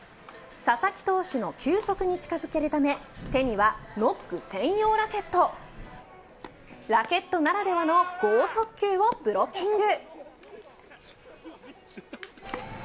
佐々木投手の球速に近づけるため手にはノック専用ラケットラケットならではの剛速球をブロッキング。